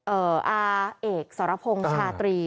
เอ่ออาเอกศอระพงศ์ชาตรี